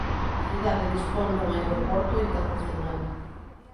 A cidade dispón dun aeroporto internacional.